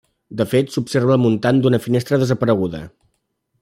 De fet s'observa el muntant d'una finestra desapareguda.